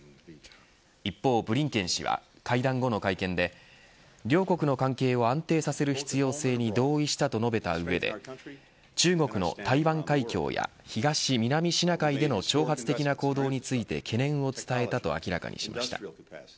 一方ブリンケン氏は会談後の会見で両国の関係を安定させる必要性に同意したと述べた上で中国の台湾海峡や東、南シナ海への挑発的な行動について懸念を伝えたと明らかにしました。